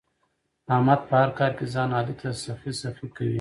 احمد په هر کار کې ځان علي ته سخی سخی کوي.